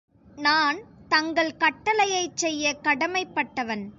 நான் தங்கள் கட்டளையைச் செய்யக் கடமைப் பட்டவன்.